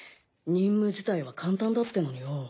任務自体は簡単だってのによ。